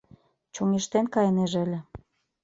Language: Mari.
Чоҥештен кайынеже ыле.